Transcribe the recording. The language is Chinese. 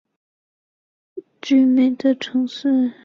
那空拍侬的涵义应该是可以观赏山景的城市。